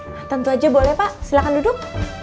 nah tentu aja boleh pak silahkan duduk